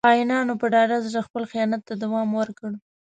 • خاینانو په ډاډه زړه خپل خیانت ته دوام ورکړ.